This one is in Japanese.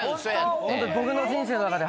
本当僕の人生の中で。